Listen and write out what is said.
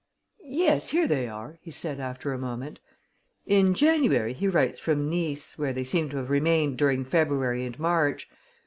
"Yes, here they are," he said after a moment. "In January, he writes from Nice, where they seem to have remained during February and March.